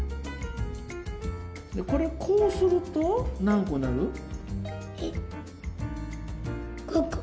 これこうすると何個になる？